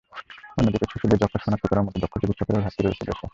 অন্যদিকে শিশুদের যক্ষ্মা শনাক্ত করার মতো দক্ষ চিকিৎসকেরও ঘাটতি রয়েছে দেশে।